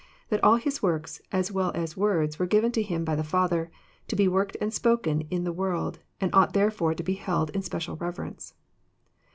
that all His works as well as words were given to Him by the Father, to be worked and~^p'6k'eirimthe world, and ought therefore to be held in special «everence.